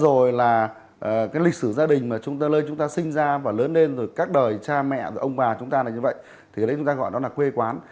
rồi là cái lịch sử gia đình mà chúng ta lên chúng ta sinh ra và lớn lên rồi các đời cha mẹ ông bà chúng ta là như vậy thì chúng ta gọi nó là quê quán